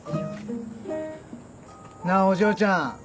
なあお嬢ちゃん